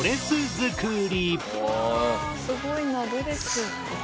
すごいな。